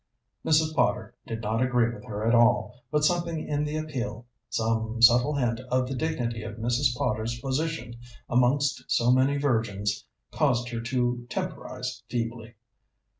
Mrs. Potter did not agree with her at all, but something in the appeal, some subtle hint of the dignity of Mrs. Potter's position amongst so many virgins, caused her to temporize feebly.